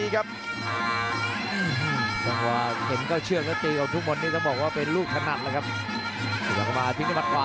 แล้วมาพริกทางหมันขวา